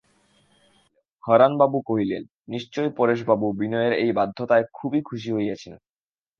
হারানবাবু কহিলেন, নিশ্চয়ই পরেশবাবু বিনয়ের এই বাধ্যতায় খুবই খুশি হয়েছেন।